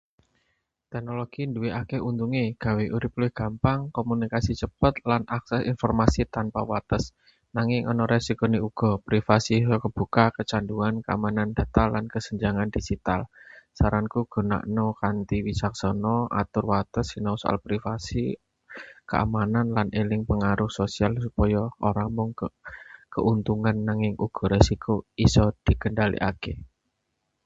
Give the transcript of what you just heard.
Teknologi nduwe akeh untunge, gawe urip luwih gampang, komunikasi cepet, lan akses informasi tanpa wates. Nanging ana risikone uga. privasi isa kebuka, kecanduan, keamanan data, lan kesenjangan digital. Saranku, gunakna kanthi wicaksana, atur wates, sinau soal privasi keamanan, lan eling pangaruh sosial supaya ora mung keuntungan nanging uga resiko isa dikendhalekake.